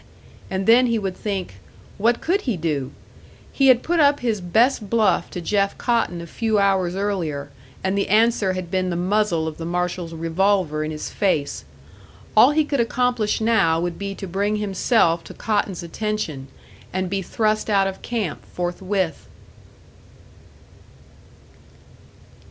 And then he would think, What could he do? He had put up his best bluff to Jeff Cotton a few hours earlier, and the answer had been the muzzle of the marshal's revolver in his face. All he could accomplish now would be to bring himself to Cotton's attention, and be thrust out of camp forthwith.